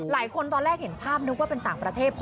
หลายคนตอนแรกเห็นภาพนึงเป็นต่างประเทศ